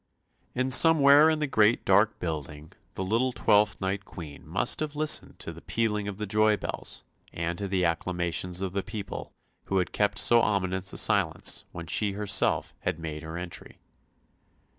And somewhere in the great dark building the little Twelfth night Queen must have listened to the pealing of the joy bells and to the acclamations of the people who had kept so ominous a silence when she herself had made her entry.